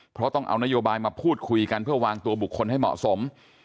เพราะต้องเอานโยบายมาพูดคุยกันเพื่อวางตัวบุคคลให้เหมาะสม